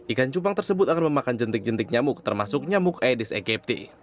ikan cupang tersebut akan memakan jentik jentik nyamuk termasuk nyamuk aedis ekepti